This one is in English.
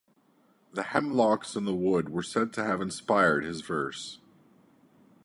The Hemlocks in the wood were said to have inspired his verse.